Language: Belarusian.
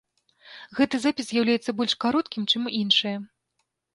Гэты запіс з'яўляецца больш кароткім, чым іншыя.